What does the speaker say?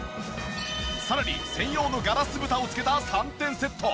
さらに専用のガラス蓋を付けた３点セット。